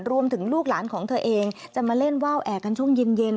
ลูกหลานของเธอเองจะมาเล่นว่าวแอกกันช่วงเย็น